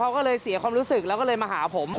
เขาก็เลยเสียความรู้สึกแล้วก็เลยมาหาผม